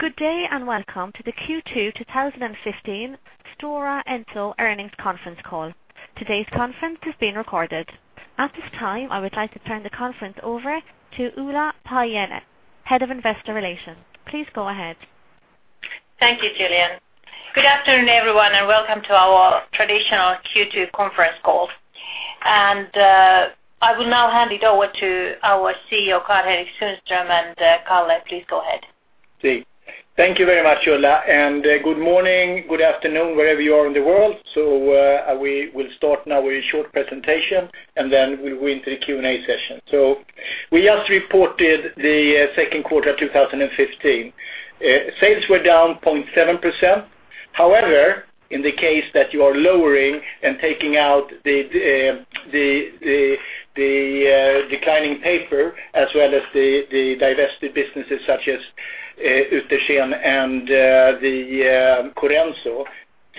Good day. Welcome to the Q2 2015 Stora Enso Earnings Conference Call. Today's conference is being recorded. At this time, I would like to turn the conference over to Ulla Paajanen-Sainio, Head of Investor Relations. Please go ahead. Thank you, Gillian. Good afternoon, everyone. Welcome to our traditional Q2 conference call. I will now hand it over to our CEO, Karl-Henrik Sundström. Karl, please go ahead. Thank you very much, Ulla. Good morning, good afternoon, wherever you are in the world. We will start now with a short presentation. Then we'll go into the Q&A session. We just reported the second quarter of 2015. Sales were down 0.7%. However, in the case that you are lowering and taking out the declining paper as well as the divested businesses such as Uetersen and Corenso,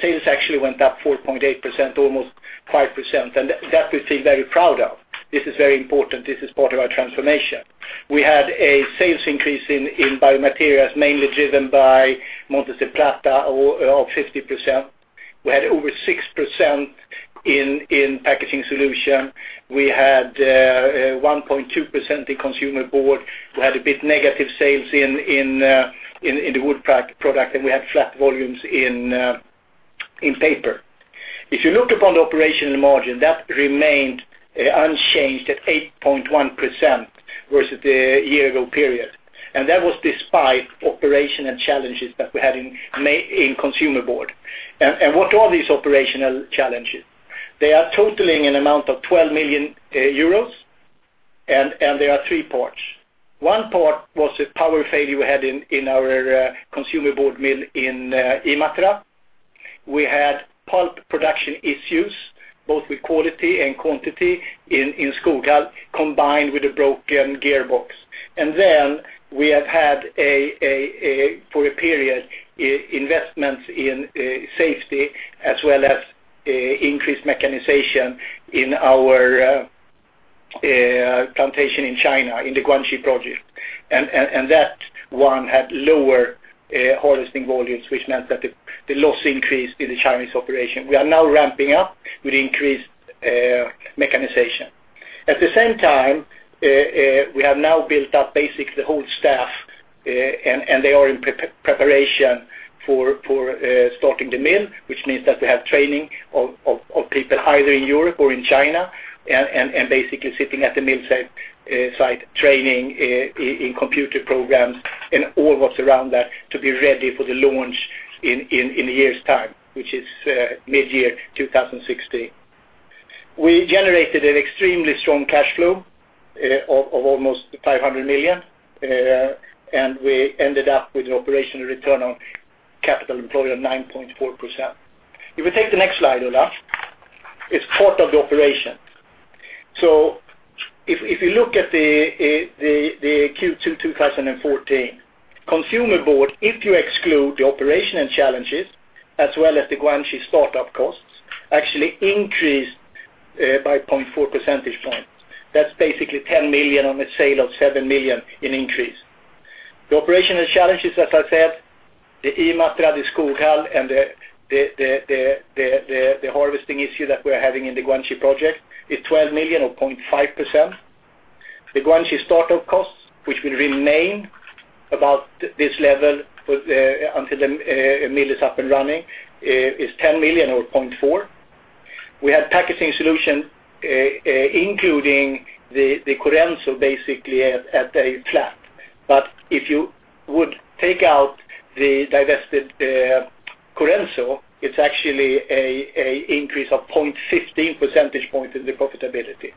sales actually went up 4.8%, almost 5%. That we feel very proud of. This is very important. This is part of our transformation. We had a sales increase in biomaterials mainly driven by Montes del Plata of 50%. We had over 6% in packaging solution. We had 1.2% in consumer board. We had a bit negative sales in the wood product. We had flat volumes in paper. If you look upon the operational margin, that remained unchanged at 8.1% versus the year ago period. That was despite operational challenges that we had in consumer board. What are these operational challenges? They are totaling an amount of 12 million euros. There are three parts. One part was a power failure we had in our consumer board mill in Imatra. We had pulp production issues, both with quality and quantity in Skoghall, combined with a broken gearbox. Then we have had, for a period, investments in safety as well as increased mechanization in our plantation in China, in the Guangxi project. That one had lower harvesting volumes, which meant that the loss increased in the Chinese operation. We are now ramping up with increased mechanization. At the same time, we have now built up basically the whole staff, and they are in preparation for starting the mill. Means that they have training of people either in Europe or in China, basically sitting at the mill site, training in computer programs and all what's around that to be ready for the launch in a year's time, which is mid-year 2016. We generated an extremely strong cash flow of almost 500 million, and we ended up with an operational return on capital employed of 9.4%. If you take the next slide, Ulla. It's part of the operation. If you look at the Q2 2014, consumer board, if you exclude the operational challenges, as well as the Guangxi start-up costs, actually increased by 0.4 percentage points. That's basically 10 million on a sale of 7 million in increase. The operational challenges, as I said, the Imatra, the Skoghall, and the harvesting issue that we are having in the Guangxi project is 12 million or 0.5%. The Guangxi start-up costs, which will remain about this level until the mill is up and running, is 10 million over 0.4. We have Packaging Solutions, including the Corenso basically at a flat. If you would take out the divested Corenso, it's actually an increase of 0.15 percentage points in the profitability.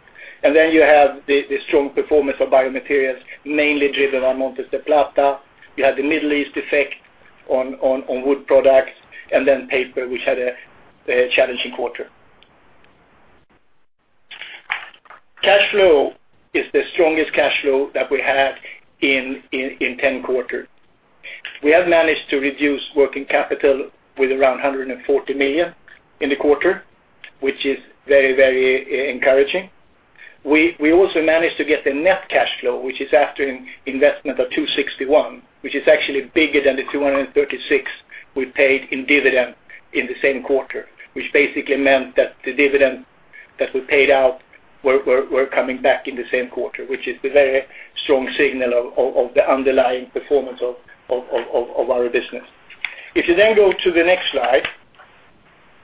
You have the strong performance of biomaterials, mainly driven by Montes del Plata. We have the Middle East effect on wood products, and then paper, which had a challenging quarter. Cash flow is the strongest cash flow that we had in 10 quarters. We have managed to reduce working capital with around 140 million in the quarter, which is very encouraging. We also managed to get the net cash flow, which is after an investment of 261, which is actually bigger than the 236 we paid in dividend in the same quarter. Basically meant that the dividend that we paid out were coming back in the same quarter. Is the very strong signal of the underlying performance of our business. If you go to the next slide,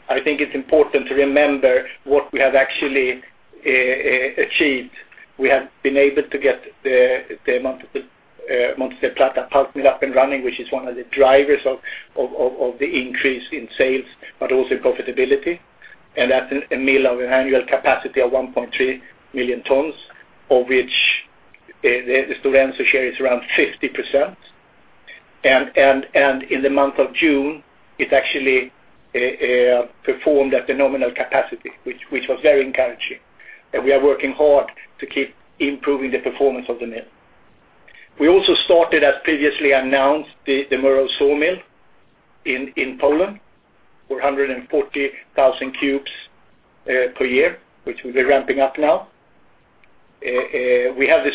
I think it's important to remember what we have actually achieved. We have been able to get the Montes del Plata pulp mill up and running, which is one of the drivers of the increase in sales, but also profitability. That's a mill of an annual capacity of 1.3 million tons, of which the Stora Enso share is around 50%. In the month of June, it actually performed at the nominal capacity, which was very encouraging. We are working hard to keep improving the performance of the mill. We also started, as previously announced, the Murów sawmill in Poland, 440,000 cubes per year, which we'll be ramping up now. We have the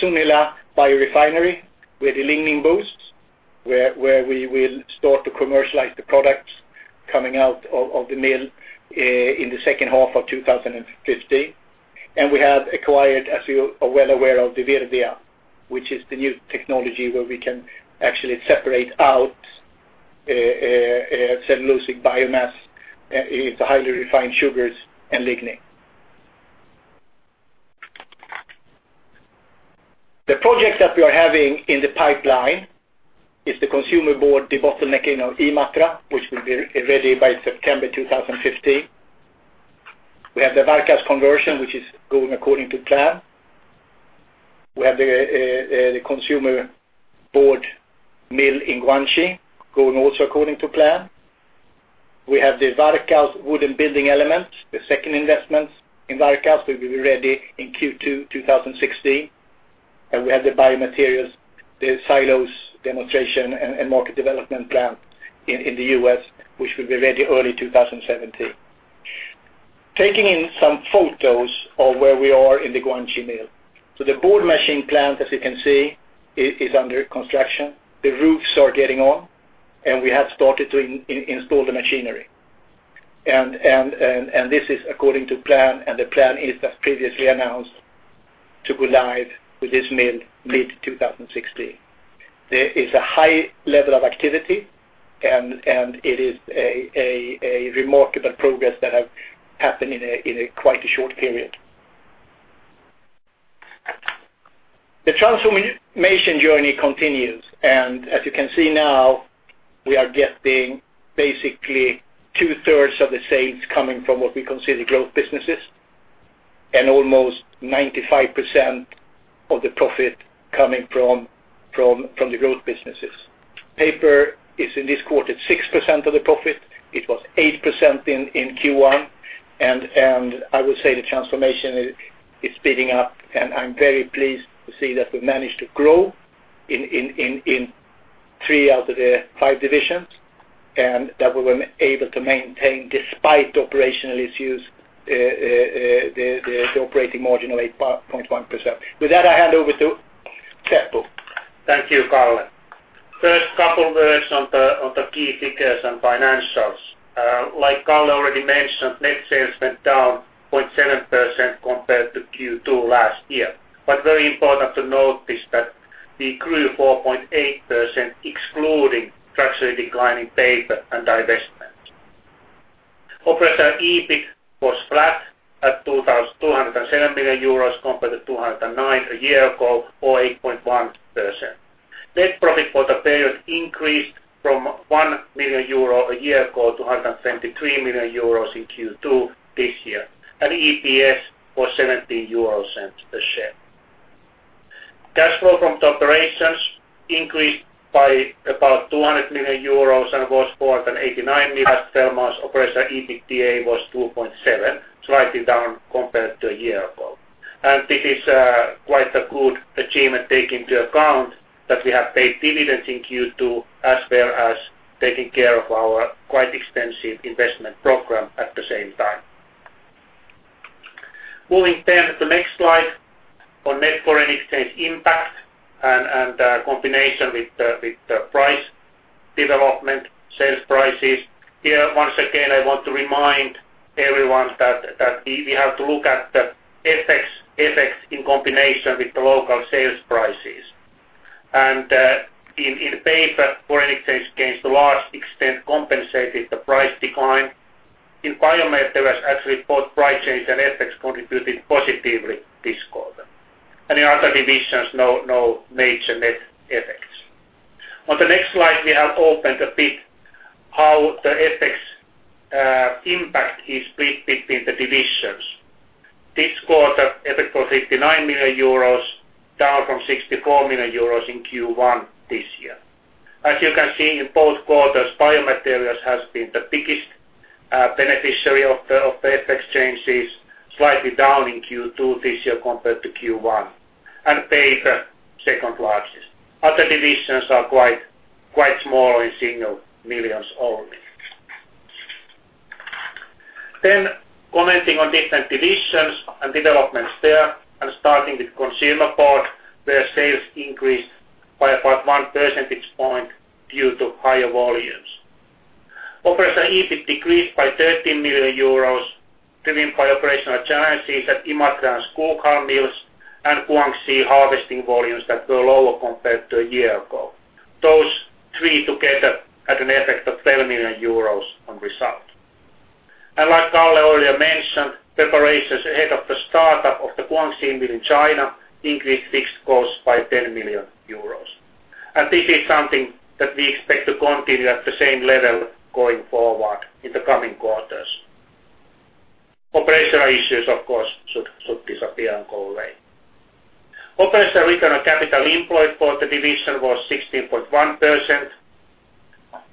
Sunila biorefinery with the lignin boost, where we will start to commercialize the products coming out of the mill in the second half of 2015. We have acquired, as you are well aware, the Virdia, which is the new technology where we can actually separate out cellulosic biomass into highly refined sugars and lignin. The project that we are having in the pipeline is the Consumer Board debottlenecking of Imatra, which will be ready by September 2015. We have the Varkaus conversion, which is going according to plan. We have the Consumer Board mill in Guangxi, going also according to plan. We have the Varkaus Wood product building element, the second investment in Varkaus will be ready in Q2 2016. We have the biomaterials, the xylose demonstration and market development plan in the U.S., which will be ready early 2017. Taking in some photos of where we are in the Guangxi mill. The board machine plant, as you can see, is under construction. The roofs are getting on, and we have started to install the machinery. This is according to plan, and the plan is, as previously announced, to go live with this mill mid-2016. It is a high level of activity and it is a remarkable progress that have happened in quite a short period. The transformation journey continues, as you can see now, we are getting basically two-thirds of the sales coming from what we consider growth businesses and almost 95% of the profit coming from the growth businesses. Paper is in this quarter 6% of the profit. It was 8% in Q1. I would say the transformation is speeding up and I am very pleased to see that we have managed to grow in three out of the five divisions, and that we were able to maintain despite operational issues, the operating margin of 8.1%. With that, I hand over to Seppo. Thank you, Kalle. First, couple words on the key figures and financials. Like Kalle already mentioned, net sales went down 0.7% compared to Q2 last year. Very important to note is that we grew 4.8% excluding structurally declining paper and divestments. Operating EBIT was flat at 207 million euros compared to 209 a year ago or 8.1%. Net profit for the period increased from 1 million euro a year ago to 173 million euros in Q2 this year, and EPS was 0.17 a share. Cash flow from the operations increased by about 200 million euros and was EUR 489 mill as well as operating EBITDA was 2.7, slightly down compared to a year ago. This is quite a good achievement taking into account that we have paid dividends in Q2 as well as taking care of our quite extensive investment program at the same time. Moving to the next slide on net foreign exchange impact and combination with the price development, sales prices. Once again, I want to remind everyone that we have to look at the FX in combination with the local sales prices. In paper, foreign exchange gains to a large extent compensated the price decline. In biomat, there was actually both price change and FX contributed positively this quarter. In other divisions, no major net effects. On the next slide, we have opened a bit how the FX impact is split between the divisions. This quarter, FX was 59 million euros, down from 64 million euros in Q1 this year. As you can see in both quarters, biomaterials has been the biggest beneficiary of the FX changes, slightly down in Q2 this year compared to Q1, and paper second largest. Other divisions are quite small, in single millions EUR only. Commenting on different divisions and developments there, starting with Consumer Board, where sales increased by about one percentage point due to higher volumes. Operating EBIT decreased by 13 million euros, driven by operational challenges at Imatra and Skoghall mills and Guangxi harvesting volumes that were lower compared to a year ago. Those three together had an effect of 12 million euros on result. Like Kalle earlier mentioned, preparations ahead of the startup of the Guangxi mill in China increased fixed costs by 10 million euros. This is something that we expect to continue at the same level going forward in the coming quarters. Operational issues, of course, should disappear and go away. Operating return on capital employed for the division was 16.1%,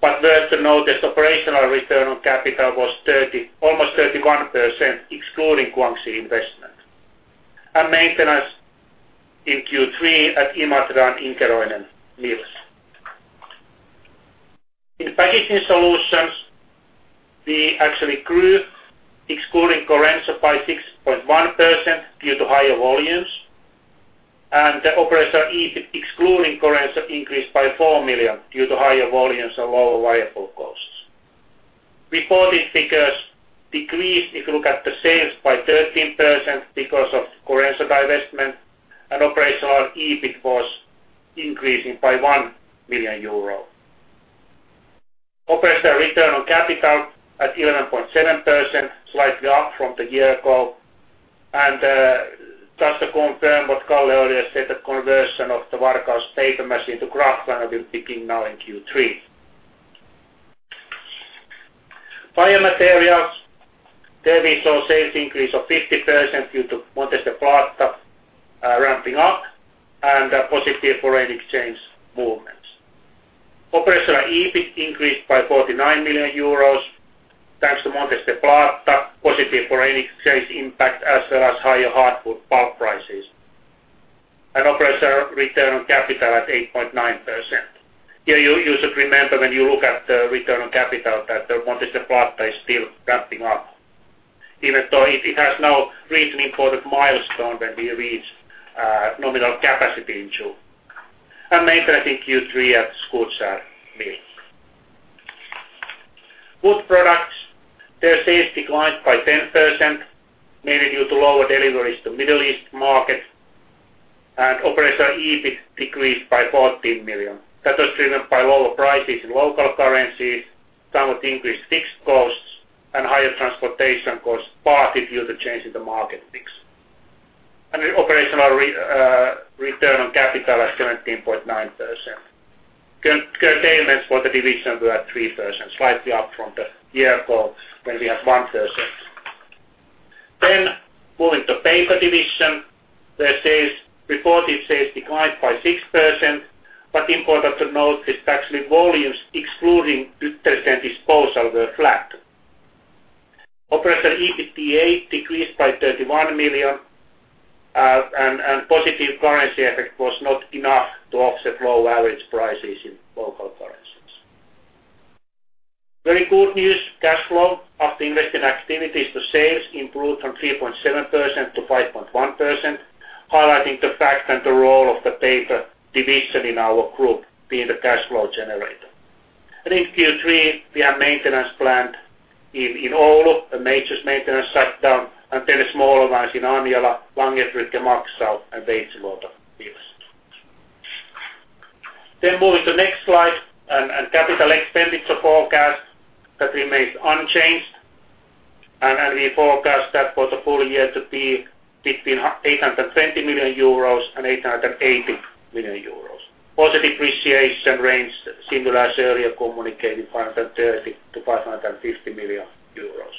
but worth to note this operational return on capital was almost 31%, excluding Guangxi investment. Maintenance in Q3 at Imatra and Inkeroinen mills. Packaging Solutions, we actually grew excluding Corenso by 6.1% due to higher volumes. The operational EBIT, excluding Corenso, increased by 4 million due to higher volumes and lower variable costs. Reported figures decreased, if you look at the sales, by 13% because of Corenso divestment and operational EBIT was increasing by 1 million euro. Operational return on capital at 11.7%, slightly up from a year ago. Just to confirm what Kalle earlier said, that conversion of the Varkaus paper machine to kraftliner will begin now in Q3. Biomaterials. There we saw sales increase of 50% due to Montes del Plata ramping up and positive foreign exchange movements. Operational EBIT increased by 49 million euros thanks to Montes del Plata positive foreign exchange impact as well as higher hardwood pulp prices. Operational return on capital at 8.9%. Here, you should remember when you look at the return on capital that Montes del Plata is still ramping up, even though it has now reached an important milestone when we reached nominal capacity in June. Maintenance in Q3 at Skutskär mill. Wood Products. Their sales declined by 10%, mainly due to lower deliveries to Middle East market. Operational EBIT decreased by 14 million. That was driven by lower prices in local currencies, somewhat increased fixed costs, and higher transportation costs, partly due to change in the market mix. The operational return on capital at 17.9%. Capital expenditures for the division were at 3%, slightly up from the year before when we had 1%. Moving to Paper division, the reported sales declined by 6%, but important to note is actually volumes excluding Hyttösen disposal were flat. Operational EBITDA decreased by 31 million, and positive currency effect was not enough to offset low average prices in local currencies. Very good news, cash flow of the investment activities to sales improved from 3.7% to 5.1%, highlighting the fact and the role of the Paper division in our group being the cash flow generator. In Q3, we have maintenance planned in Oulu, a major maintenance shutdown, and smaller ones in Anjala, Langerbrugge, Maxau, and Veitsiluoto, Finland. Moving to next slide, capital expenditure forecast that remains unchanged. We forecast that for the full year to be between 820 million euros and 880 million euros. Also, depreciation range similar as earlier communicated, 530 million to 550 million euros.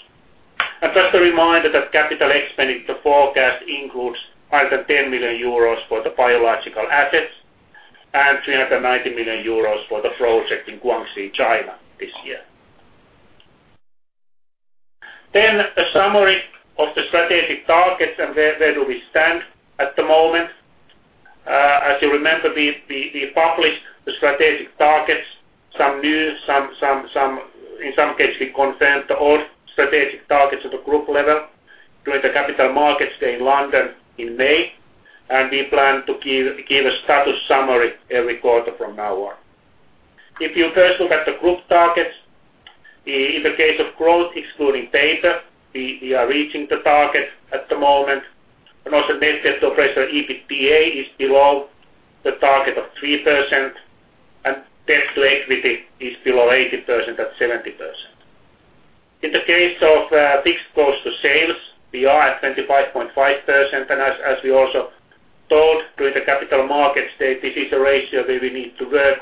Just a reminder that capital expenditure forecast includes 510 million euros for the biological assets and 390 million euros for the project in Guangxi, China this year. A summary of the strategic targets and where do we stand at the moment. As you remember, we published the strategic targets, some new, in some cases we confirmed the old strategic targets at the group level during the Capital Markets Day in London in May. We plan to give a status summary every quarter from now on. If you first look at the group targets, in the case of growth, excluding Paper, we are reaching the target at the moment. Also net debt to operational EBITDA is below the target of 3%, and debt to equity is below 80% at 70%. In the case of fixed cost to sales, we are at 25.5%. As we also told during the Capital Markets Day, this is a ratio where we need to work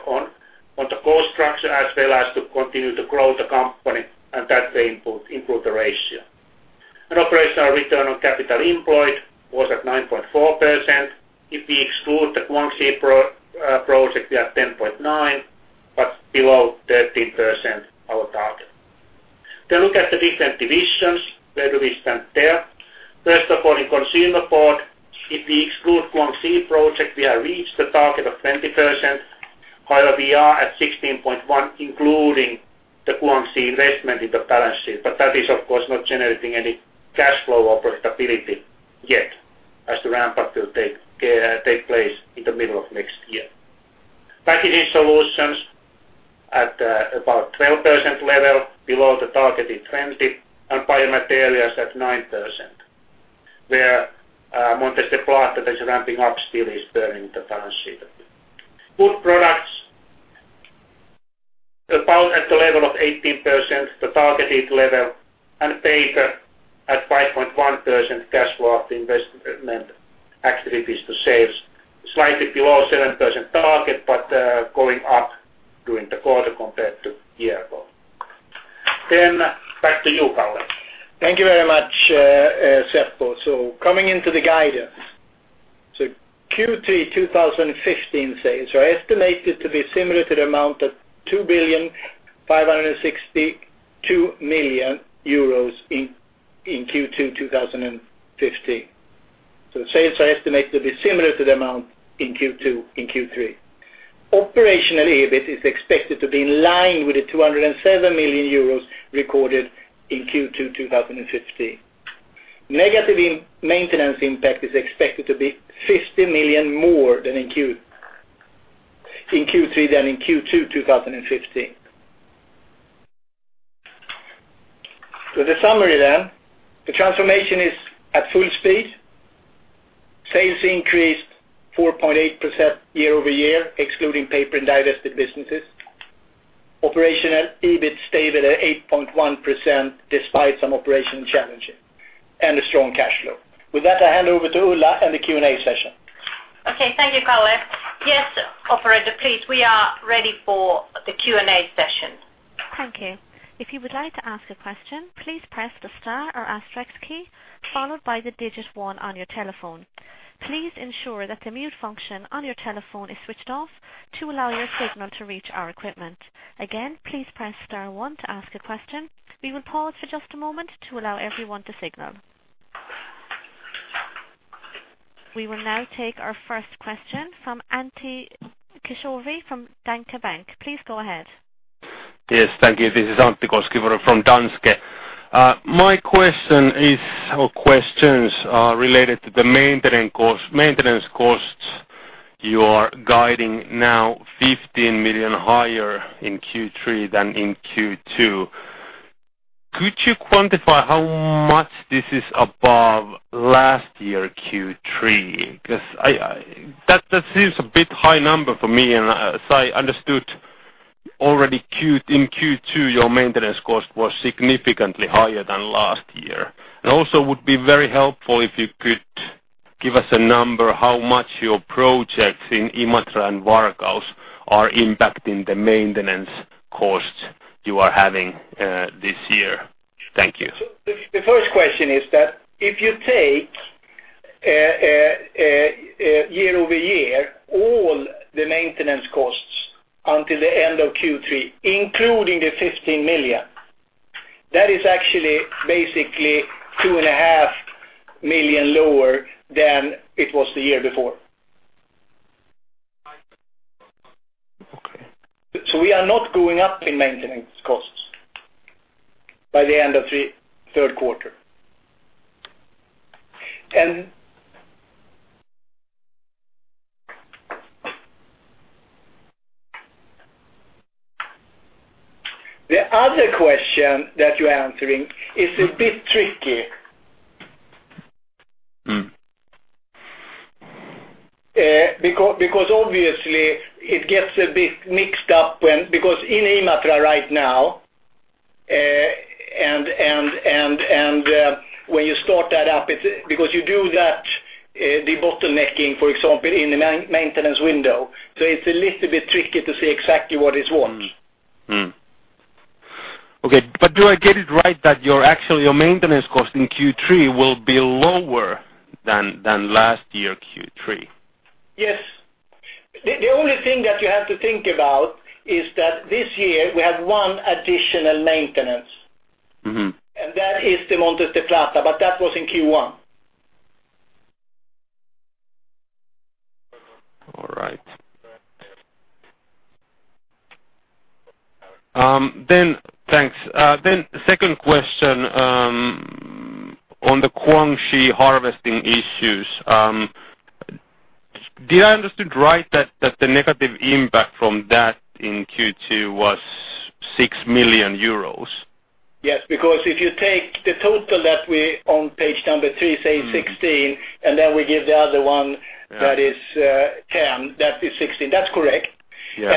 on the cost structure as well as to continue to grow the company and that way improve the ratio. Operational return on capital employed was at 9.4%. If we exclude the Guangxi project, we are 10.9%, but below 13%, our target. Look at the different divisions, where do we stand there? First of all, in Consumer Board, if we exclude Guangxi project, we have reached the target of 20%, however we are at 16.1% including the Guangxi investment in the balance sheet. That is of course not generating any cash flow or profitability yet, as the ramp-up will take place in the middle of next year. Packaging Solutions at about 12% level below the target in 20%, Biomaterials at 9%, where Montes del Plata that is ramping up still is burdening the balance sheet. Wood Products about at the level of 18%, the targeted level, Paper at 5.1% cash flow of the investment activities to sales, slightly below 7% target, but going up during the quarter compared to year-ago. Back to you, Kalle. Thank you very much, Seppo. Coming into the guidance. Q3 2015 sales are estimated to be similar to the amount of 2,562 million euros in Q2 2015. Sales are estimated to be similar to the amount in Q2, in Q3. Operational EBIT is expected to be in line with the 207 million euros recorded in Q2 2015. Negative maintenance impact is expected to be 50 million more than in Q3 than in Q2 2015. The summary, the transformation is at full speed. Sales increased 4.8% year-over-year, excluding Paper and divested businesses. Operational EBIT stayed at a 8.1% despite some operational challenges, a strong cash flow. With that, I hand over to Ulla and the Q&A session. Okay. Thank you, Karl. Yes. Operator, please, we are ready for the Q&A session. Thank you. If you would like to ask a question, please press the star or asterisk key followed by the digit 1 on your telephone. Please ensure that the mute function on your telephone is switched off to allow your signal to reach our equipment. Again, please press star 1 to ask a question. We will pause for just a moment to allow everyone to signal. We will now take our first question from Antti Koskivuori from Danske Bank. Please go ahead. Yes. Thank you. This is Antti Koskivuori from Danske. My question is, or questions are related to the maintenance costs. You are guiding now 15 million higher in Q3 than in Q2. Could you quantify how much this is above last year, Q3? Because that seems a bit high number for me, and as I understood already in Q2, your maintenance cost was significantly higher than last year. Also would be very helpful if you could give us a number, how much your projects in Imatra and Varkaus are impacting the maintenance costs you are having this year. Thank you. The first question is that, if you take year-over-year, all the maintenance costs until the end of Q3, including the 15 million, that is actually basically two and a half million lower than it was the year before. Okay. We are not going up in maintenance costs by the end of third quarter. The other question that you're answering is a bit tricky. Obviously it gets a bit mixed up when, because in Imatra right now, and when you start that up, because you do that, the bottlenecking, for example, in the maintenance window. It's a little bit tricky to say exactly what is what. Mm. Okay. Do I get it right that actually your maintenance cost in Q3 will be lower than last year, Q3? Yes. The only thing that you have to think about is that this year we have one additional maintenance. That is the Montes del Plata, that was in Q1. All right. Thanks. Second question, on the Guangxi harvesting issues, did I understood right that the negative impact from that in Q2 was 6 million euros? Yes, if you take the total that we on page number three, say 16, then we give the other. Yeah. That is 10, that is 16. That's correct. Yeah.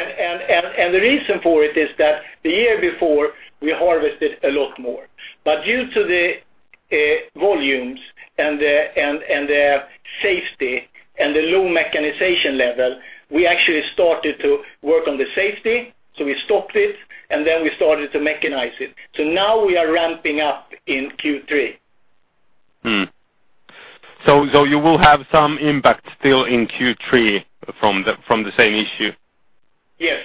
The reason for it is that the year before we harvested a lot more, but due to the volumes and the safety and the low mechanization level, we actually started to work on the safety. We stopped it, and then we started to mechanize it. Now we are ramping up in Q3. You will have some impact still in Q3 from the same issue? Yes.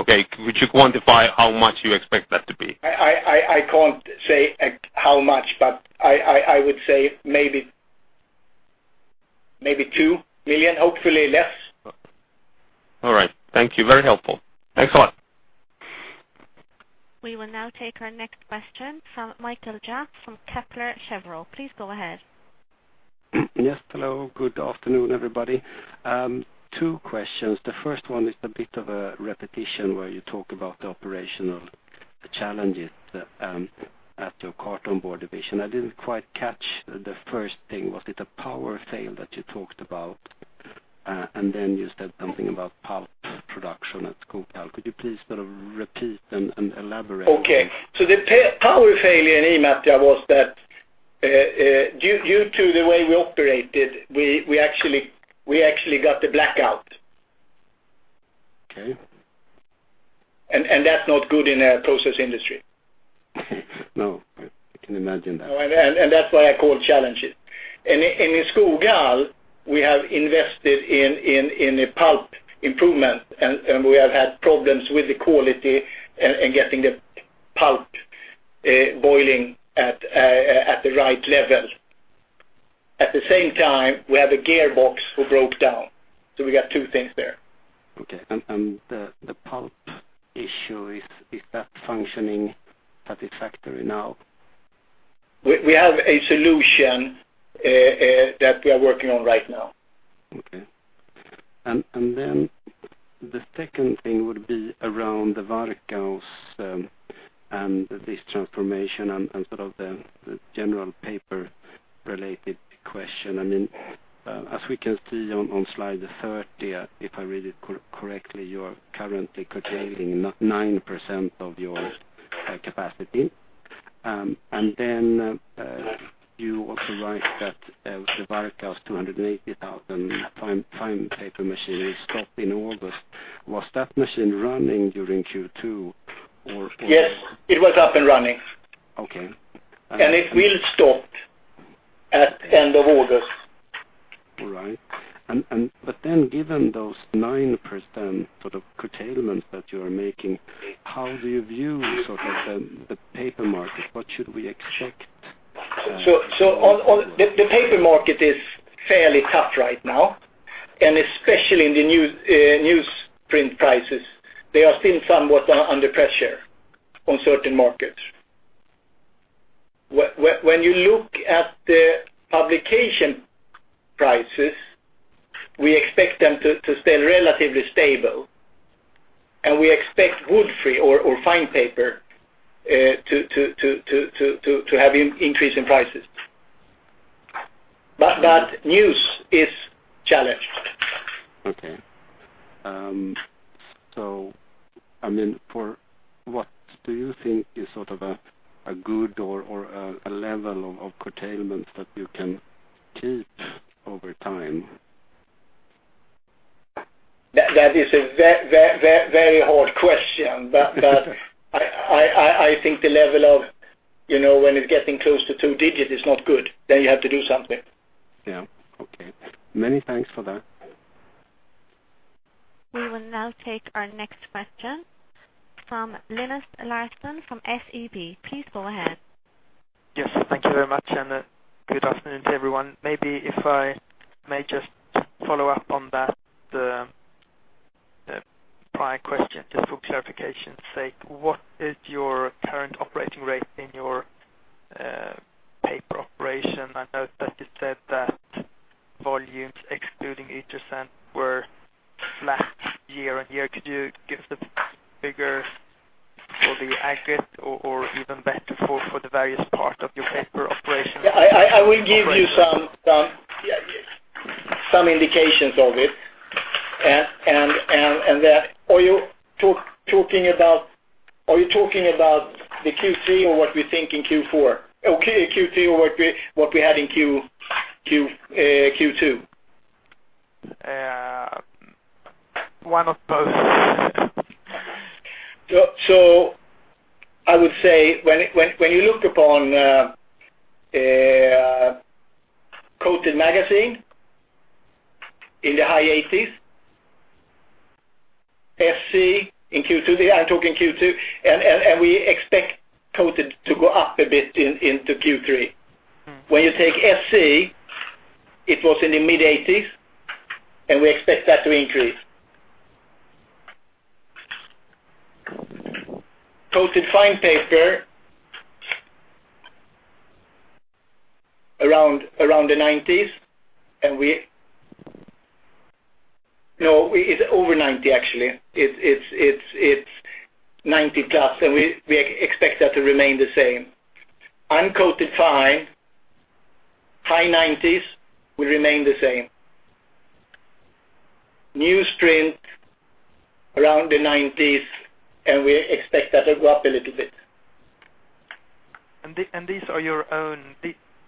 Okay. Could you quantify how much you expect that to be? I can't say how much. I would say maybe 2 million, hopefully less. All right. Thank you. Very helpful. Thanks a lot. We will now take our next question from Mikael Jåfs from Kepler Cheuvreux. Please go ahead. Yes. Hello. Good afternoon, everybody. Two questions. The first one is a bit of a repetition where you talk about the operational challenges at your carton board division. I didn't quite catch the first thing. Was it a power fail that you talked about? You said something about pulp production at Skutskär. Could you please sort of repeat and elaborate on that? Okay, the power failure in Imatra was that due to the way we operated, we actually got a blackout. Okay. That's not good in a process industry. No, I can imagine that. That's what I call challenges. In Skoghall, we have invested in a pulp improvement, and we have had problems with the quality and getting the pulp Boiling at the right level. At the same time, we have a gearbox which broke down. We got two things there. Okay. The pulp issue, is that functioning satisfactory now? We have a solution that we are working on right now. Okay. The second thing would be around the Varkaus and this transformation and sort of the general paper-related question. As we can see on slide 30, if I read it correctly, you are currently curtailing 9% of your capacity. You also write that the Varkaus 280,000 fine paper machine will stop in August. Was that machine running during Q2? Or? Yes, it was up and running. Okay. It will stop at the end of August. Given those 9% sort of curtailments that you are making, how do you view the paper market? What should we expect? The paper market is fairly tough right now, and especially in the newsprint prices. They are still somewhat under pressure on certain markets. When you look at the publication prices, we expect them to stay relatively stable, and we expect wood-free or fine paper to have an increase in prices. News is challenged. Okay. What do you think is sort of a good or a level of curtailment that you can keep over time? That is a very hard question. I think the level of when it's getting close to two digits is not good, then you have to do something. Yeah. Okay. Many thanks for that. We will now take our next question from Linus Larsson from SEB. Please go ahead. Yes, thank you very much, and good afternoon to everyone. Maybe if I may just follow up on that prior question, just for clarification's sake. What is your current operating rate in your paper operation? I know that you said that volumes excluding Uetersen, were flat year-on-year. Could you give us a figure for the aggregate or even better, for the various parts of your paper operation? I will give you some indications of it. Are you talking about the Q3 or what we had in Q2? One of those. I would say when you look upon coated magazine in the high 80s. SC in Q2, I'm talking Q2, and we expect coated to go up a bit into Q3. When you take SC, it was in the mid-80s, and we expect that to increase. Coated fine paper around the 90s. No, it's over 90 actually. It's 90 plus, and we expect that to remain the same. Uncoated fine, high 90s will remain the same. Newsprint around the 90s, and we expect that to go up a little bit. These are your own.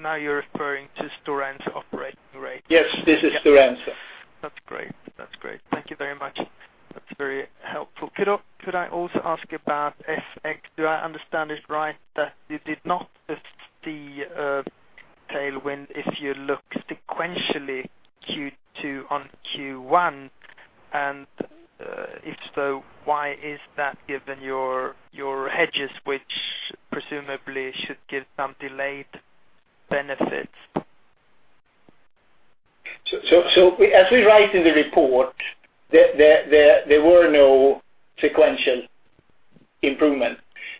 Now you're referring to Stora Enso operating rates. Yes, this is Stora Enso. That's great. Thank you very much. That's very helpful. Could I also ask about FX? Do I understand this right that you did not see a tailwind if you look sequentially Q2 on Q1? If so, why is that given your hedges which presumably should give some delayed benefits? As we write in the report, there were no sequential improvement.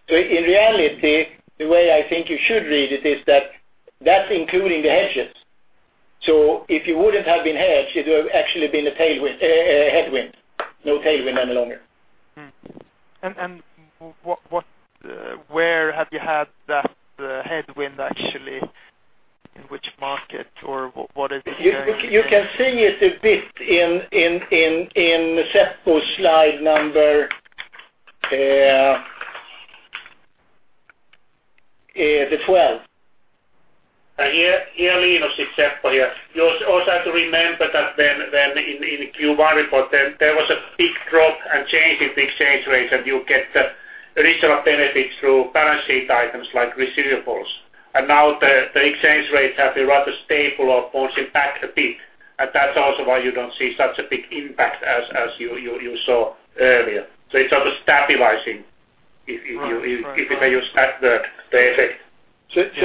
In reality, the way I think you should read it is that that's including the hedges. If you wouldn't have been hedged, it would have actually been a headwind. No tailwind any longer. Where have you had that headwind actually? In which market or what is it going- You can see it a bit in Seppo's slide number 12. Here, Linus, it's Seppo here. You also have to remember that in the Q1 report, there was a big drop and change in the exchange rates and you get the original benefits through balance sheet items like receivables. Now the exchange rates have been rather stable or bouncing back a bit. That's also why you don't see such a big impact as you saw earlier. It's sort of stabilizing if I use that word, the effect.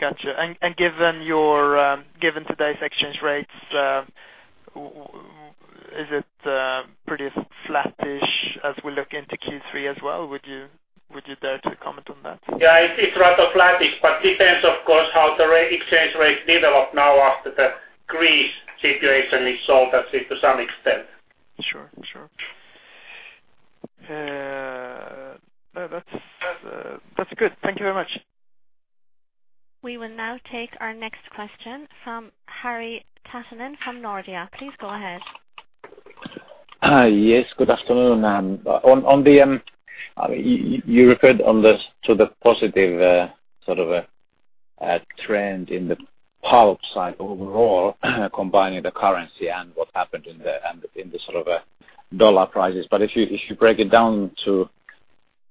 Got you. Given today's exchange rates, is it pretty flattish as we look into Q3 as well? Would you dare to comment on that? Yeah, it's rather flattish, but depends, of course, how the exchange rates develop now after the Greece situation is solved, let's say to some extent. Sure. That's good. Thank you very much. We will now take our next question from Harri Taittonen from Nordea. Please go ahead. Hi. Yes, good afternoon. You referred on this to the positive sort of a trend in the pulp side overall, combining the currency and what happened in the sort of dollar prices. If you break it down to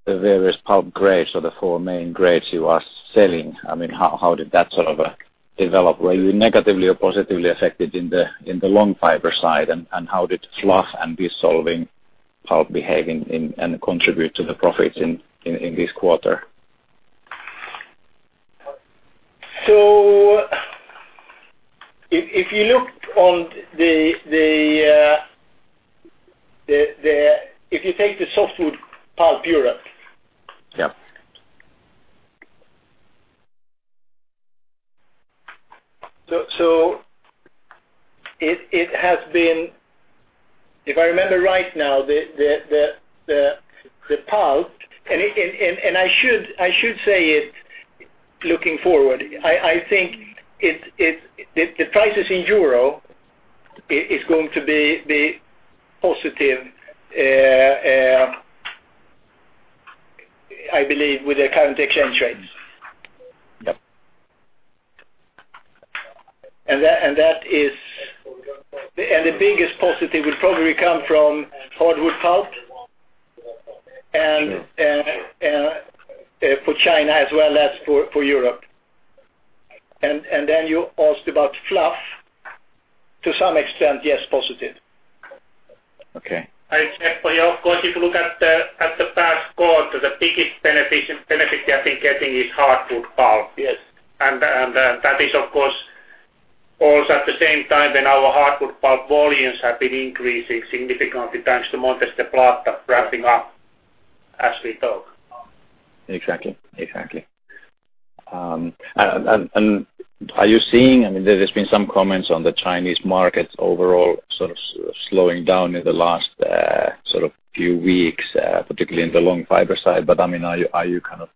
the various pulp grades or the four main grades you are selling, how did that sort of develop? Were you negatively or positively affected in the long fiber side? How did fluff and dissolving pulp behave and contribute to the profits in this quarter? If you take the softwood pulp Europe. Yeah. If I remember right now, the pulp, and I should say it looking forward, I think the prices in EUR is going to be positive, I believe, with the current exchange rates. Yep. The biggest positive will probably come from hardwood pulp. Sure for China as well as for Europe. Then you asked about fluff. To some extent, yes, positive. Okay. I check for you, of course, if you look at the past quarter, the biggest benefit I think getting is hardwood pulp. Yes. That is, of course, also at the same time when our hardwood pulp volumes have been increasing significantly, thanks to Montes del Plata ramping up as we talk. Exactly. Are you seeing, there has been some comments on the Chinese market overall sort of slowing down in the last few weeks, particularly in the long fiber side. Are you kind of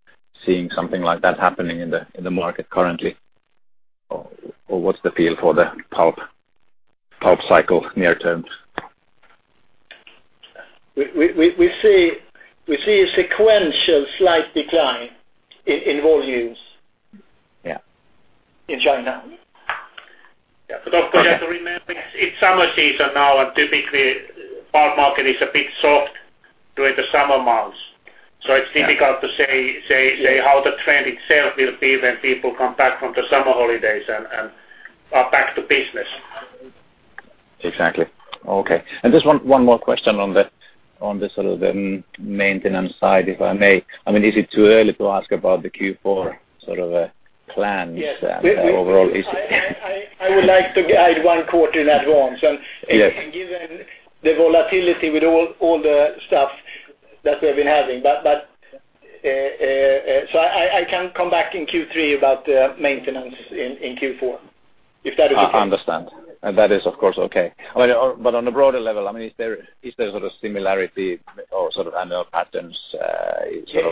seeing something like that happening in the market currently? Or what's the feel for the pulp cycle near term? We see a sequential slight decline in volumes. Yeah. In China. Yeah. Of course, you have to remember it's summer season now, and typically, pulp market is a bit soft during the summer months. It's difficult to say how the trend itself will be when people come back from the summer holidays and are back to business. Exactly. Okay. Just one more question on the sort of maintenance side, if I may. Is it too early to ask about the Q4 sort of plans overall? Yes. I would like to guide one quarter in advance. Yes Given the volatility with all the stuff that we've been having. I can come back in Q3 about the maintenance in Q4, if that is okay. Understand. That is of course, okay. On a broader level, is there sort of similarity or sort of annual patterns? Yeah.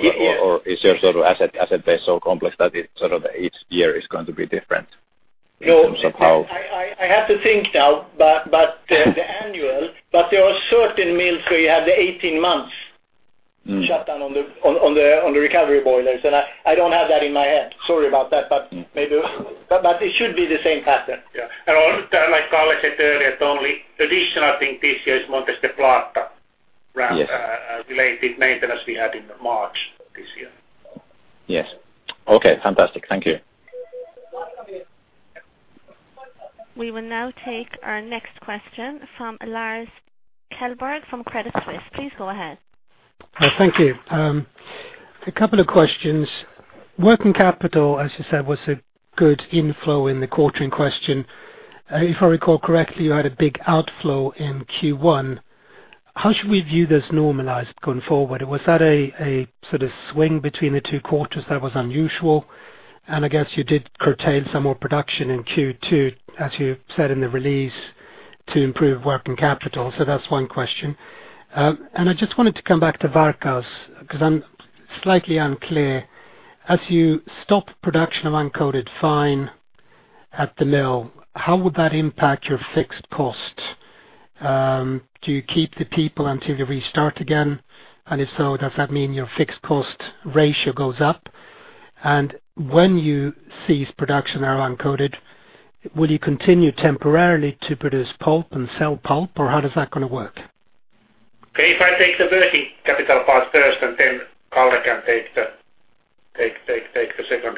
Is your sort of asset base so complex that each year is going to be different in terms of how- No. I have to think now, but the annual. There are certain mills where you have the 18 months shutdown on the recovery boilers, and I don't have that in my head. Sorry about that. It should be the same pattern. Yeah. Like Kalle said earlier, the only additional thing this year is Montes del Plata relating maintenance we had in March this year. Yes. Okay, fantastic. Thank you. We will now take our next question from Lars Kjellberg from Credit Suisse. Please go ahead. Thank you. A couple of questions. Working capital, as you said, was a good inflow in the quarter in question. If I recall correctly, you had a big outflow in Q1. How should we view this normalized going forward? Was that a sort of swing between the two quarters that was unusual? I guess you did curtail some more production in Q2, as you said in the release, to improve working capital. That's one question. I just wanted to come back to Varkaus, because I'm slightly unclear. As you stop production of uncoated fine at the mill, how would that impact your fixed cost? Do you keep the people until you restart again? If so, does that mean your fixed cost ratio goes up? When you cease production of uncoated, will you continue temporarily to produce pulp and sell pulp? How does that going to work? Okay, if I take the working capital part first, then Kalle can take the second.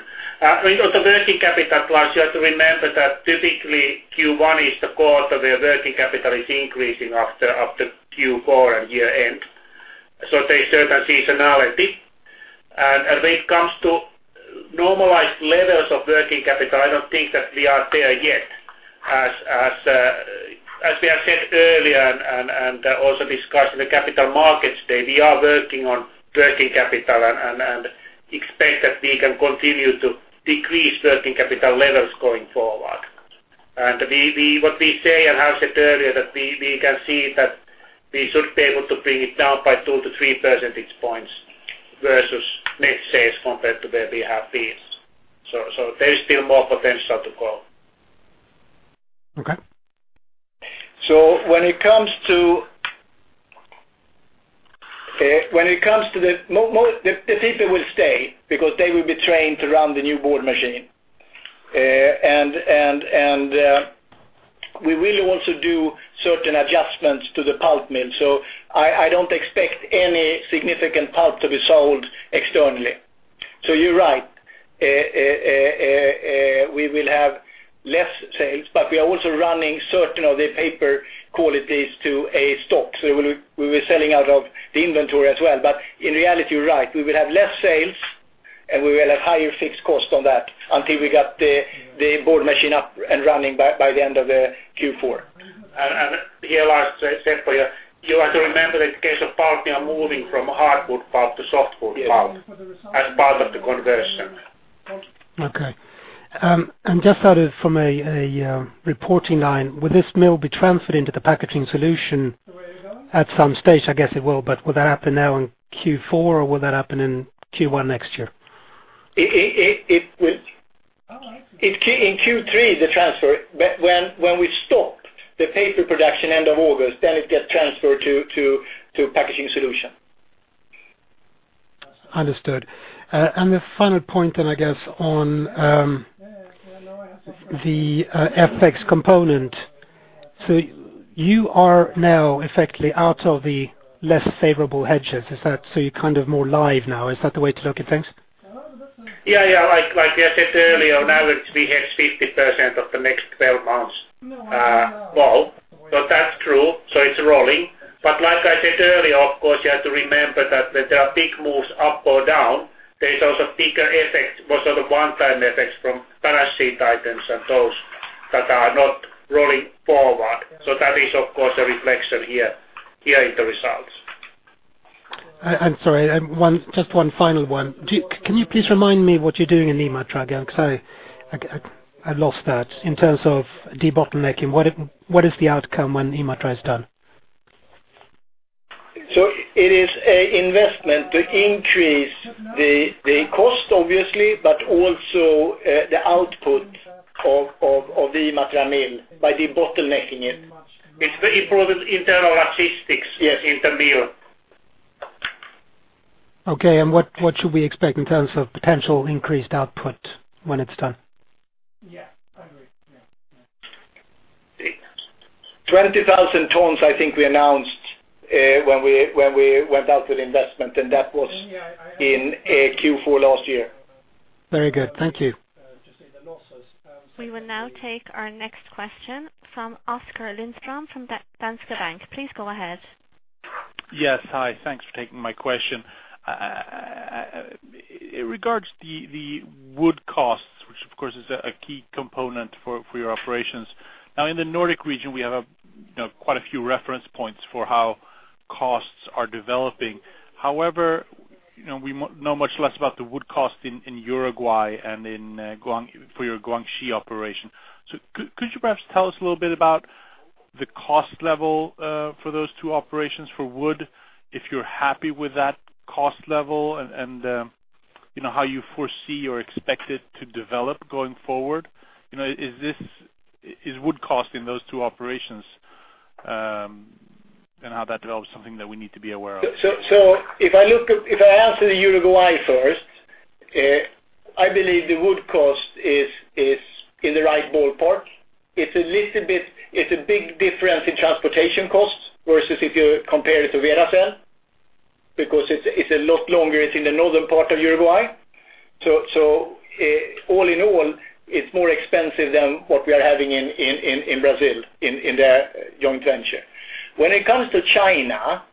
With the working capital part, you have to remember that typically Q1 is the quarter where working capital is increasing after Q4 and year end. There is certain seasonality. When it comes to normalized levels of working capital, I don't think that we are there yet. As we have said earlier and also discussed in the Capital Markets Day, we are working on working capital and expect that we can continue to decrease working capital levels going forward. What we say, and I've said earlier, that we can see that we should be able to bring it down by 2-3 percentage points versus net sales compared to where we have been. There is still more potential to go. Okay. When it comes to the people will stay because they will be trained to run the new board machine. We really want to do certain adjustments to the pulp mill, so I do not expect any significant pulp to be sold externally. You are right, we will have less sales, but we are also running certain of the paper qualities to a stock. We were selling out of the inventory as well. In reality, you are right, we will have less sales, and we will have higher fixed cost on that until we got the board machine up and running by the end of the Q4. Here, Lars, same for you. You have to remember in case of pulp, we are moving from hardwood pulp to softwood pulp as part of the conversion. Okay. Just from a reporting line, will this mill be transferred into the packaging solution at some stage? I guess it will, but will that happen now in Q4 or will that happen in Q1 next year? It will. In Q3, the transfer. When we stopped the paper production end of August, then it gets transferred to packaging solution. Understood. The final point then, I guess, on the FX component. You are now effectively out of the less favorable hedges. Is that so you are more live now? Is that the way to look at things? Yeah. Like I said earlier, now we hedge 50% of the next 12 months bulk. That's true. It's rolling. Like I said earlier, of course, you have to remember that when there are big moves up or down, there is also bigger effects, more sort of one-time effects from currency items and those that are not rolling forward. That is, of course, a reflection here in the results. I'm sorry. Just one final one. Can you please remind me what you're doing in Imatra again? I lost that. In terms of debottlenecking, what is the outcome when Imatra is done? It is a investment to increase the cost obviously, but also the output of the Imatra mill by debottlenecking it. It's improving internal logistics. Yes, intermill. Okay, what should we expect in terms of potential increased output when it's done? 20,000 tons, I think we announced when we went out with investment. That was in Q4 last year. Very good. Thank you. We will now take our next question from Oskar Lindström from Danske Bank. Please go ahead. Yes, hi. Thanks for taking my question. In regards the wood costs, which of course is a key component for your operations. In the Nordic region, we have quite a few reference points for how costs are developing. We know much less about the wood cost in Uruguay and for your Guangxi operation. Could you perhaps tell us a little bit about the cost level for those two operations for wood, if you're happy with that cost level and how you foresee or expect it to develop going forward? Is wood cost in those two operations, and how that develops something that we need to be aware of? If I answer the Uruguay first, I believe the wood cost is in the right ballpark. It's a big difference in transportation costs versus if you compare it to Veracel, because it's a lot longer. It's in the northern part of Uruguay. All in all, it's more expensive than what we are having in Brazil in their joint venture. When it comes to China,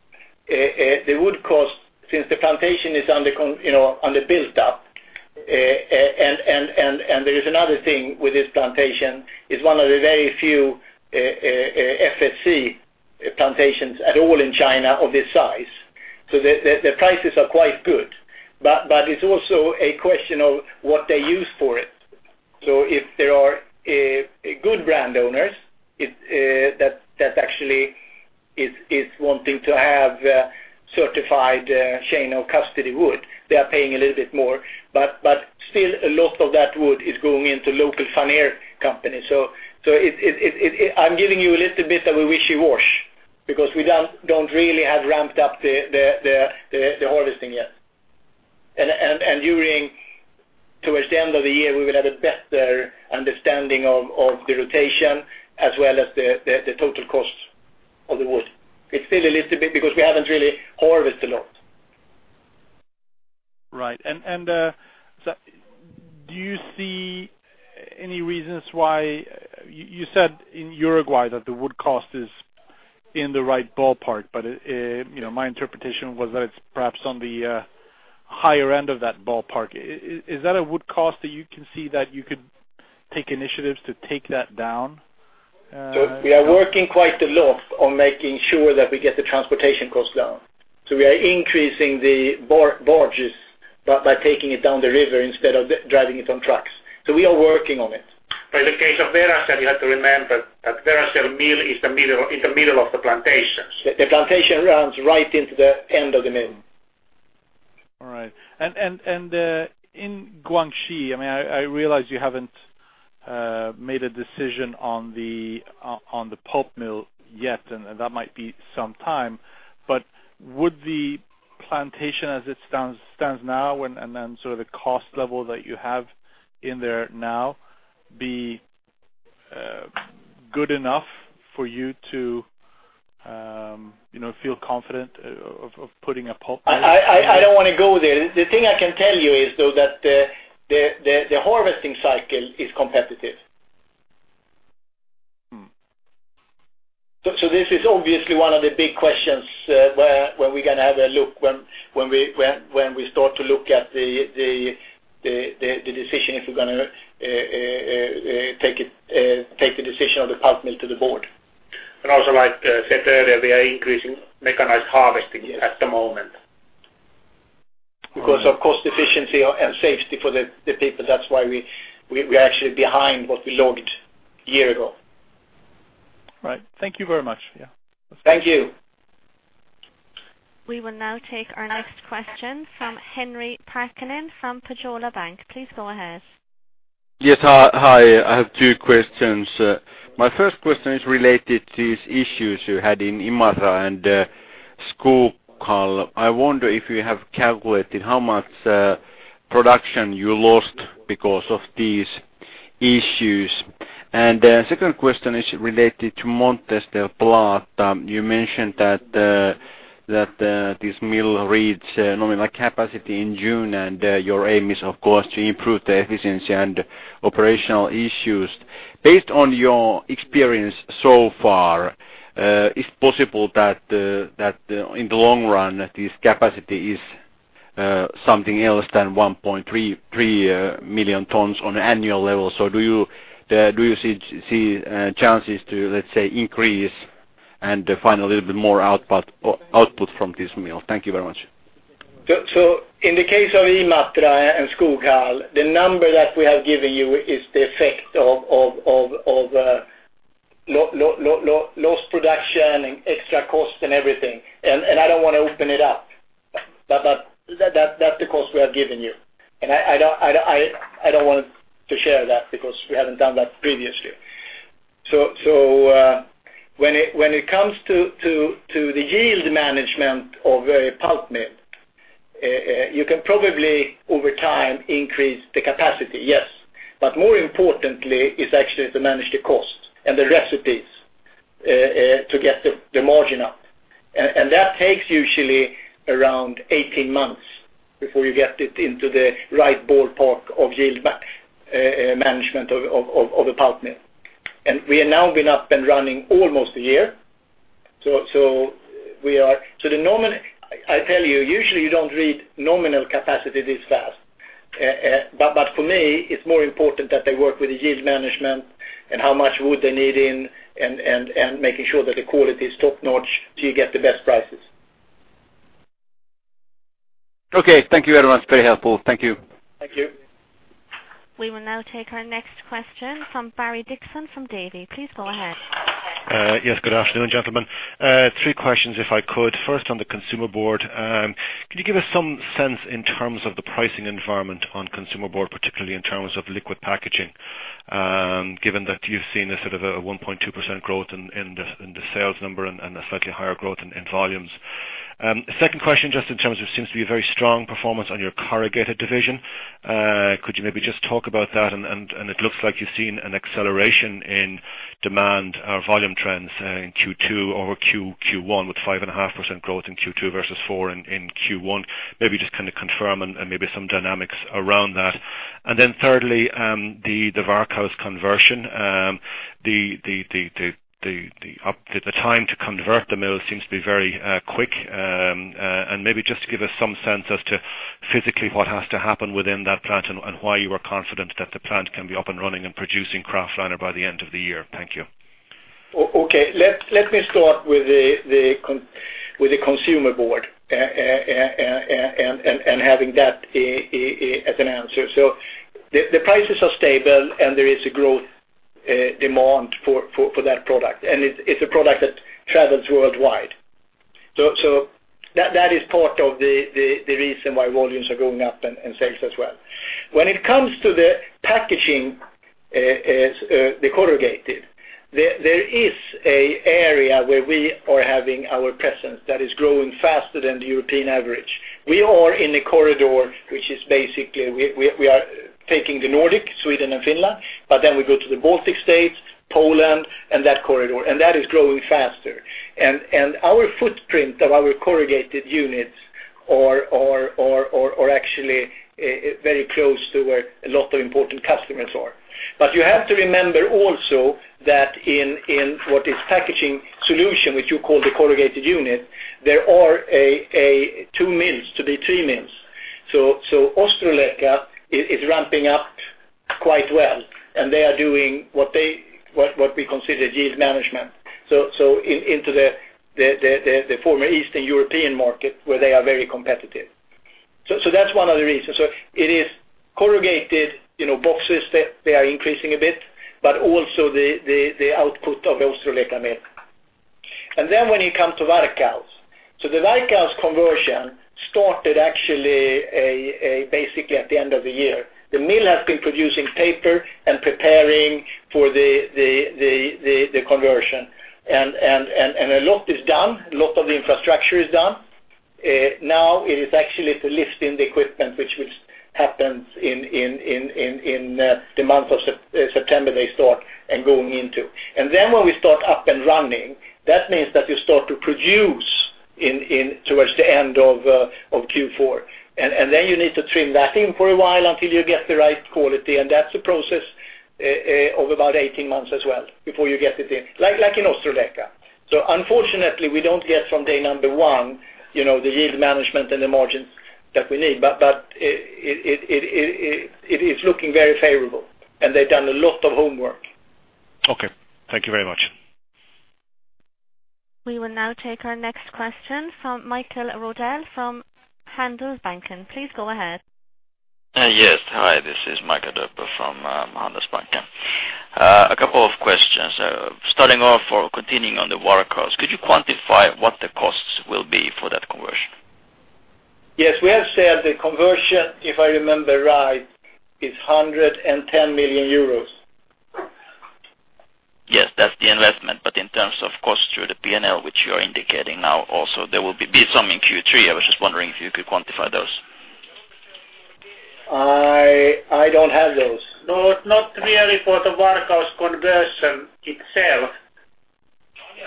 the wood cost, since the plantation is under built-up, and there is another thing with this plantation, it's one of the very few FSC plantations at all in China of this size. The prices are quite good. It's also a question of what they use for it. If there are good brand owners that actually is wanting to have certified chain of custody wood, they are paying a little bit more, but still a lot of that wood is going into local veneer companies. I'm giving you a little bit of a wishy-wash because we don't really have ramped up the harvesting yet. Towards the end of the year, we will have a better understanding of the rotation as well as the total cost of the wood. It's still a little bit because we haven't really harvested a lot. Right. Do you see any reasons why, you said in Uruguay that the wood cost is in the right ballpark, my interpretation was that it's perhaps on the higher end of that ballpark. Is that a wood cost that you can see that you could take initiatives to take that down? We are working quite a lot on making sure that we get the transportation costs down. We are increasing the barges by taking it down the river instead of driving it on trucks. We are working on it. In case of Veracel, you have to remember that Veracel mill is in the middle of the plantations. The plantation runs right into the end of the mill. All right. In Guangxi, I realize you haven't made a decision on the pulp mill yet, and that might be some time, but would the plantation as it stands now and then the cost level that you have in there now be good enough for you to feel confident of putting a pulp in? I don't want to go there. The thing I can tell you is, though, that the harvesting cycle is competitive. This is obviously one of the big questions where we're going to have a look when we start to look at the decision, if we're going to take the decision of the pulp mill to the board. Also like I said earlier, we are increasing mechanized harvesting at the moment. Because of cost efficiency and safety for the people. That's why we are actually behind what we logged a year ago. Right. Thank you very much. Yeah. Thank you. We will now take our next question from Henri Parkkinen from Pohjola Bank. Please go ahead. Yes. Hi. I have two questions. My first question is related to these issues you had in Imatra and Skutskär. I wonder if you have calculated how much production you lost because of these issues. Second question is related to Montes del Plata. You mentioned that this mill reached nominal capacity in June, and your aim is, of course, to improve the efficiency and operational issues. Based on your experience so far, is it possible that in the long run, this capacity is something else than 1.33 million tons on an annual level? Do you see chances to, let's say, increase and find a little bit more output from this mill? Thank you very much. In the case of Imatra and Skutskär, the number that we have given you is the effect of lost production, extra cost and everything. I don't want to open it up. That's the cost we have given you. I don't want to share that because we haven't done that previously. When it comes to the yield management of a pulp mill, you can probably, over time, increase the capacity, yes. More importantly is actually to manage the cost and the recipes to get the margin up. That takes usually around 18 months before you get it into the right ballpark of yield management of a pulp mill. We have now been up and running almost a year. I tell you, usually you don't reach nominal capacity this fast. For me, it's more important that they work with the yield management and how much wood they need in, and making sure that the quality is top-notch so you get the best prices. Okay. Thank you very much. Very helpful. Thank you. Thank you. We will now take our next question from Barry Dixon from Davy. Please go ahead. Yes, good afternoon, gentlemen. Three questions if I could. First, on the consumer board. Can you give us some sense in terms of the pricing environment on consumer board, particularly in terms of liquid packaging, given that you've seen a sort of a 1.2% growth in the sales number and a slightly higher growth in volumes? Second question, just in terms of, seems to be a very strong performance on your corrugated division. Could you maybe just talk about that? It looks like you've seen an acceleration in demand or volume trends in Q2 over Q1, with 5.5% growth in Q2 versus 4% in Q1. Maybe just kind of confirm and maybe some dynamics around that. Thirdly, the Varkaus conversion. The time to convert the mill seems to be very quick. Maybe just to give us some sense as to physically what has to happen within that plant and why you are confident that the plant can be up and running and producing kraftliner by the end of the year. Thank you. Okay. Let me start with the consumer board and having that as an answer. The prices are stable and there is a growth demand for that product. It's a product that travels worldwide. That is part of the reason why volumes are going up and sales as well. When it comes to the packaging, the corrugated, there is an area where we are having our presence that is growing faster than the European average. We are in a corridor, which is basically we are taking the Nordic, Sweden and Finland, but then we go to the Baltic states, Poland and that corridor, and that is growing faster. Our footprint of our corrugated units are actually very close to where a lot of important customers are. You have to remember also that in what is Packaging solution, which you call the corrugated unit, there are two mills, to be three mills. Ostrołęka is ramping up quite well, and they are doing what we consider yield management. Into the former Eastern European market where they are very competitive. That's one of the reasons. It is corrugated boxes, they are increasing a bit, but also the output of Ostrołęka mill. When it comes to Varkaus. The Varkaus conversion started actually basically at the end of the year. The mill has been producing paper and preparing for the conversion and a lot is done. A lot of the infrastructure is done. Now it is actually to lift in the equipment which happens in the month of September, they start. When we start up and running, that means that you start to produce towards the end of Q4. You need to trim that in for a while until you get the right quality, and that's a process of about 18 months as well, before you get it in, like in Ostrołęka. Unfortunately, we don't get from day number 1 the yield management and the margins that we need. It is looking very favorable and they've done a lot of homework. Okay. Thank you very much. We will now take our next question from Mikael Rodell from Handelsbanken. Please go ahead. Yes. Hi, this is Mikael Rodell from Handelsbanken. A couple of questions. Starting off or continuing on the Varkaus, could you quantify what the costs will be for that conversion? Yes. We have said the conversion, if I remember right, is 110 million euros. In terms of cost through the P&L, which you are indicating now also, there will be some in Q3. I was just wondering if you could quantify those. I don't have those. No, not really for the Varkaus conversion itself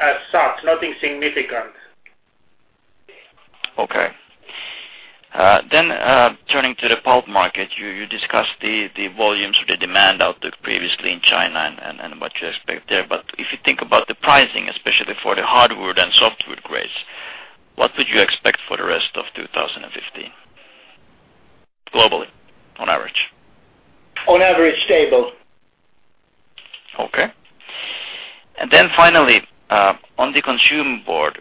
as such. Nothing significant. Okay. Turning to the pulp market, you discussed the volumes or the demand outlook previously in China and what you expect there. If you think about the pricing, especially for the hardwood and softwood grades, what would you expect for the rest of 2015? Globally, on average. On average, stable. Okay. Finally, on the consumer board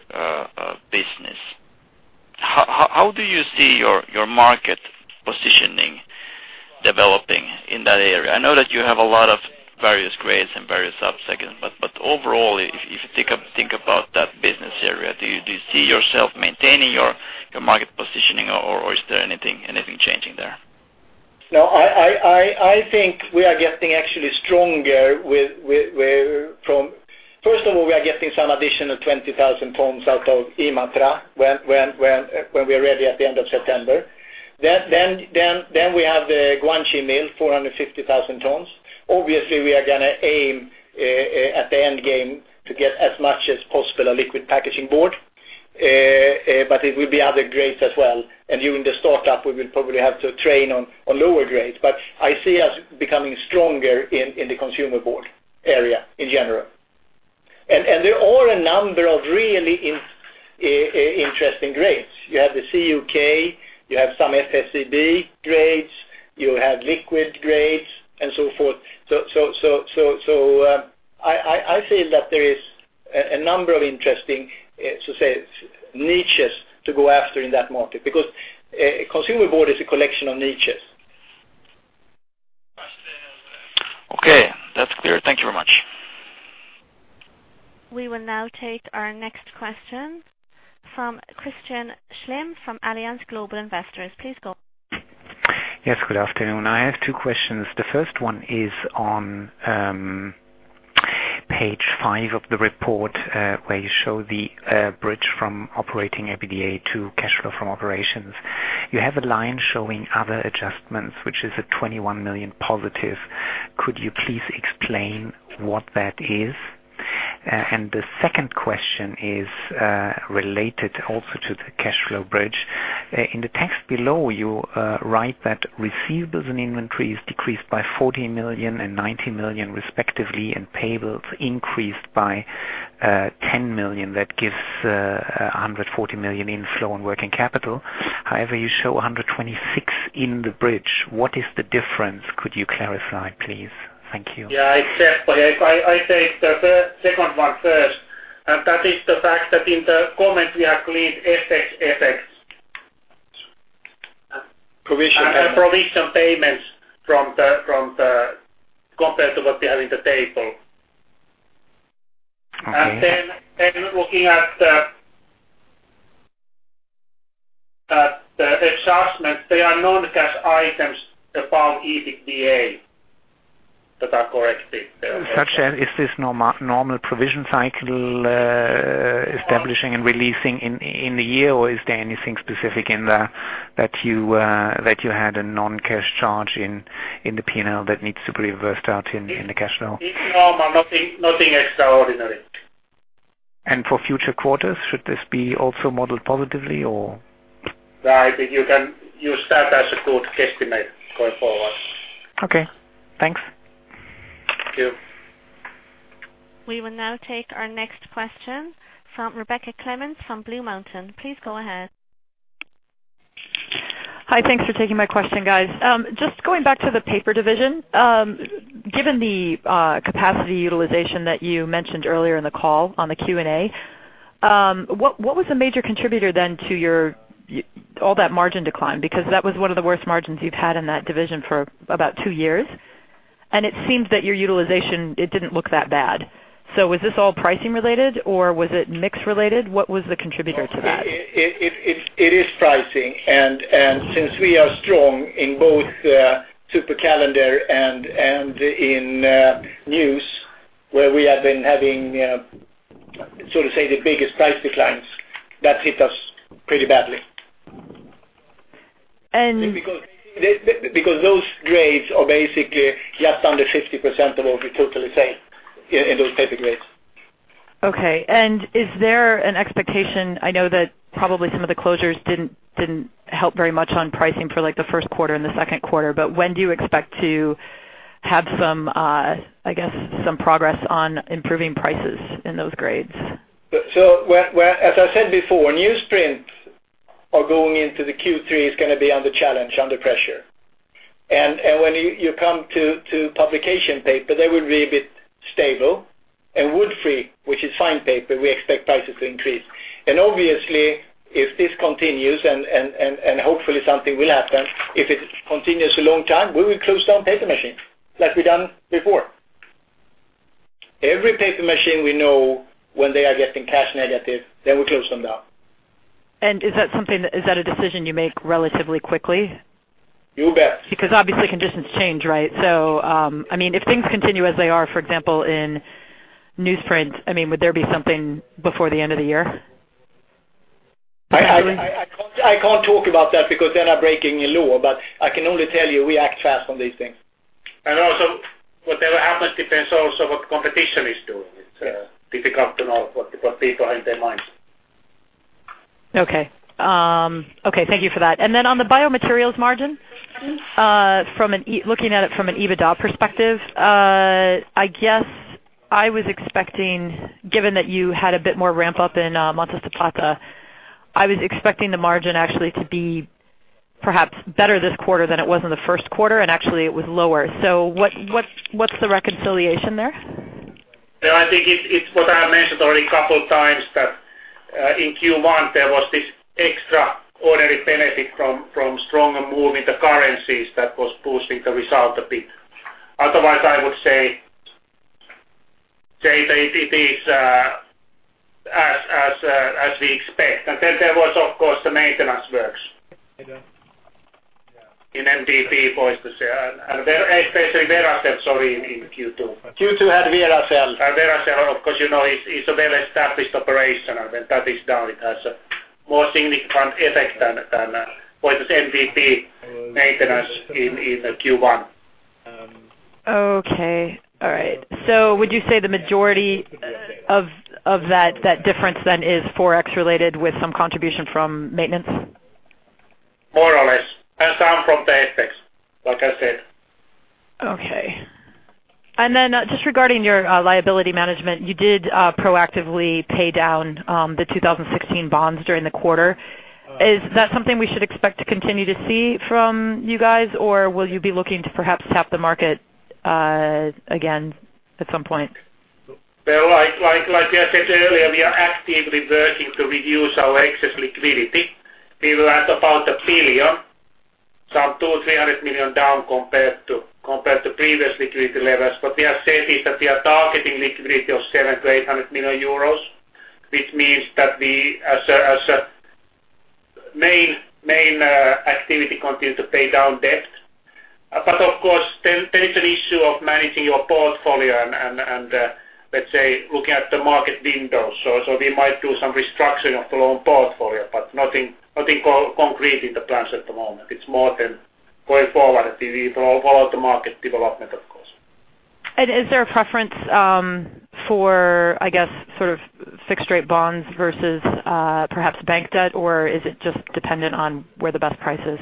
business, how do you see your market positioning developing in that area? I know that you have a lot of various grades and various sub-segments, but overall, if you think about that business area, do you see yourself maintaining your market positioning or is there anything changing there? No, I think we are getting actually stronger. First of all, we are getting some additional 20,000 tons out of Imatra when we are ready at the end of September. We have the Guangxi mill, 450,000 tons. Obviously, we are going to aim at the end game to get as much as possible a liquid packaging board, but it will be other grades as well. During the start-up, we will probably have to train on lower grades. I see us becoming stronger in the consumer board area in general. There are a number of really interesting grades. You have the CUK, you have some FBB grades, you have liquid grades and so forth. I feel that there is a number of interesting, so say, niches to go after in that market because consumer board is a collection of niches. Okay, that's clear. Thank you very much. We will now take our next question from Christian Schlim from Allianz Global Investors. Please go ahead. Yes, good afternoon. I have two questions. The first one is on page five of the report, where you show the bridge from operating EBITDA to cash flow from operations. You have a line showing other adjustments, which is a 21 million positive. Could you please explain what that is? The second question is related also to the cash flow bridge. In the text below, you write that receivables and inventories decreased by 14 million and 19 million respectively, and payables increased by 10 million. That gives 140 million inflow in working capital. However, you show 126 in the bridge. What is the difference? Could you clarify, please? Thank you. Yeah, exactly. I take the second one first. That is the fact that in the comment we have cleaned FX effects. Provision payments. Provision payments compared to what we have in the table. Okay. Looking at the adjustments, they are non-cash items, the pound EBITDA, that are corrected there. Such as, is this normal provision cycle establishing and releasing in the year or is there anything specific in there that you had a non-cash charge in the P&L that needs to be reversed out in the cash flow? It's normal. Nothing extraordinary. For future quarters, should this be also modeled positively or? No, I think you can use that as a good guesstimate going forward. Okay, thanks. Thank you. We will now take our next question from Rebecca Clements from BlueMountain Capital. Please go ahead. Hi. Thanks for taking my question, guys. Just going back to the paper division. Given the capacity utilization that you mentioned earlier in the call on the Q&A, what was the major contributor then to all that margin decline? Because that was one of the worst margins you've had in that division for about two years. It seems that your utilization, it didn't look that bad. Was this all pricing related or was it mix related? What was the contributor to that? It is pricing. Since we are strong in both supercalendered and in news where we have been having, so to say, the biggest price declines, that hit us pretty badly. And- Those grades are basically just under 50% of what we totally sell in those paper grades. Is there an expectation, I know that probably some of the closures didn't help very much on pricing for the first quarter and the second quarter. When do you expect to have some progress on improving prices in those grades? As I said before, newsprint are going into the Q3 is going to be under challenge, under pressure. When you come to publication paper, they will be a bit stable. wood-free, which is fine paper, we expect prices to increase. Obviously, if this continues and hopefully something will happen, if it continues a long time, we will close down paper machines like we've done before. Every paper machine we know when they are getting cash negative, then we close them down. Is that a decision you make relatively quickly? You bet. Obviously conditions change, right? If things continue as they are, for example, in newsprint, would there be something before the end of the year? I can't talk about that because then I'm breaking a law, I can only tell you we act fast on these things. Also whatever happens depends also what competition is doing. It's difficult to know what people have in their minds. Okay. Thank you for that. On the biomaterials margin, looking at it from an EBITDA perspective, I guess I was expecting, given that you had a bit more ramp up in Montes del Plata, I was expecting the margin actually to be perhaps better this quarter than it was in the first quarter, and actually it was lower. What's the reconciliation there? Yeah, I think it's what I mentioned already a couple of times that in Q1, there was this extraordinary benefit from stronger move in the currencies that was boosting the result a bit. Otherwise, I would say that it is as we expect. There was, of course, the maintenance works in MdP, [Voitto said], and especially Veracel, sorry, in Q2. Q2 had Veracel. Veracel, of course, you know, it's a well-established operation. When that is down, it has a more significant effect than [Voitto's] MdP maintenance in Q1. Okay. All right. Would you say the majority of that difference then is Forex related with some contribution from maintenance? More or less. Some from the FX, like I said. Okay. Just regarding your liability management, you did proactively pay down the 2016 bonds during the quarter. Is that something we should expect to continue to see from you guys? Or will you be looking to perhaps tap the market again at some point? Well, like I said earlier, we are actively working to reduce our excess liquidity. We were at about 1 billion, some 300 million down compared to previous liquidity levels. What we have said is that we are targeting liquidity of 700 million-800 million euros, which means that we, as a main activity, continue to pay down debt. Of course, there is an issue of managing your portfolio and, let's say, looking at the market window. We might do some restructuring of the loan portfolio, but nothing concrete in the plans at the moment. It's more going forward, we follow the market development, of course. Is there a preference for, I guess, sort of fixed rate bonds versus perhaps bank debt? Or is it just dependent on where the best price is?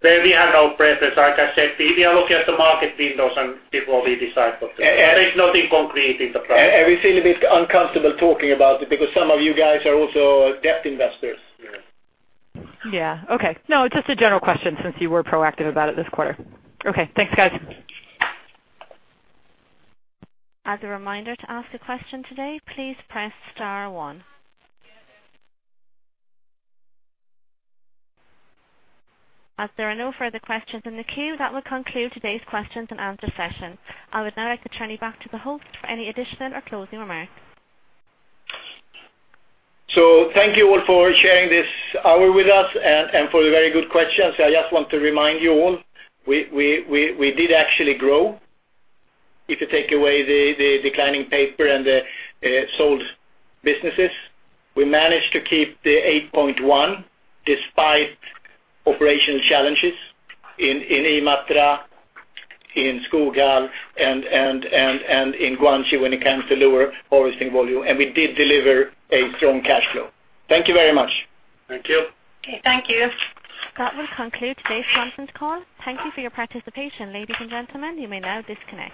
We have no preference. Like I said, we are looking at the market windows and before we decide, but there is nothing concrete in the plan. We feel a bit uncomfortable talking about it because some of you guys are also debt investors. Yeah. Okay. No, just a general question since you were proactive about it this quarter. Okay. Thanks, guys. As a reminder to ask a question today, please press star one. As there are no further questions in the queue, that will conclude today's questions and answer session. I would now like to turn you back to the host for any additional or closing remarks. Thank you all for sharing this hour with us and for the very good questions. I just want to remind you all, we did actually grow. If you take away the declining paper and the sold businesses. We managed to keep the 8.1 despite operational challenges in Imatra, in Skoghall and in Guangxi when it comes to lower harvesting volume. We did deliver a strong cash flow. Thank you very much. Thank you. Okay, thank you. That will conclude today's conference call. Thank you for your participation. Ladies and gentlemen, you may now disconnect.